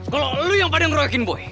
kalau lo yang pada ngeroyokin boy